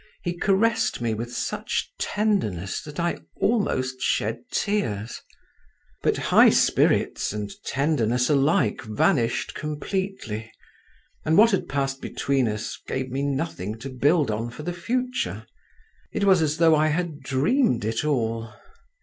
—he caressed me with such tenderness that I almost shed tears…. But high spirits and tenderness alike vanished completely, and what had passed between us, gave me nothing to build on for the future—it was as though I had dreamed it all.